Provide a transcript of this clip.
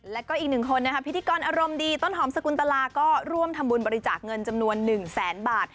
แล้วก็อีกหนึ่งคนนะคะพิธีกรอารมณ์ดีต้นหอมสกุลตลาก็ร่วมทำบุญบริจาคเงินจำนวน๑แสนบาท